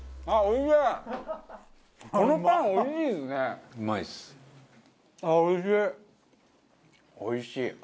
ああおいしい。